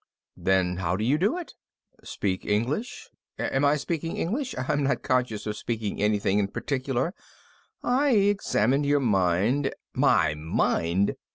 "Then how do you do it?" "Speak English? Am I speaking English? I'm not conscious of speaking anything in particular. I examined your mind " "My mind?"